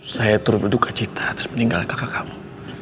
saya turut berduka cita atas meninggal kakak kamu